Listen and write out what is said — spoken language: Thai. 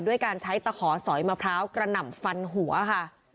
ด้วยการใช้ตะขอสอยมะพร้าวกระหน่ำฟันหัวค่ะ